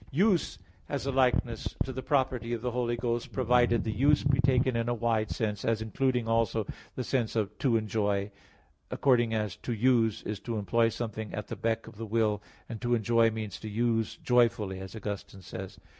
"Use" has a likeness to the property of the Holy Ghost; provided the "use" be taken in a wide sense, as including also the sense of "to enjoy"; according as "to use" is to employ something at the beck of the will, and "to enjoy" means to use joyfully, as Augustine says (De Trin.